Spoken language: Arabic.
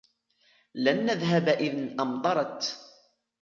لن نذهب إن أمطرت.